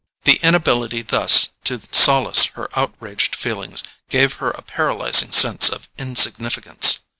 The inability thus to solace her outraged feelings gave her a paralyzing sense of insignificance.